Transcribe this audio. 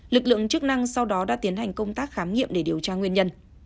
lực lượng chức năng sau đó đã tiến hành công tác khám nghiệm để điều tra nguyên nhân